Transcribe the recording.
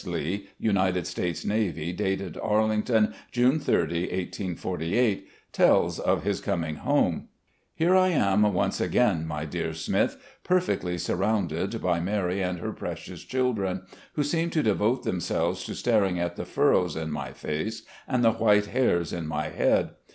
Lee, United States Navy, dated "Arlington, June 30, 1848," tells of his coming home: "Here I am once again, my dear Smith, perfectly s^^rrounded by Mary and her precious children, who seem to devote themselves to staring at the furrows in my face and the white hairs in my head.